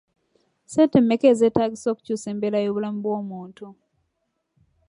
Ssente mmeka ezeeetaagisa okukyusa embeera y'obulamu bw'omuntu?